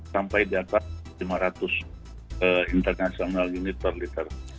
sampai dapat lima ratus international unit per liter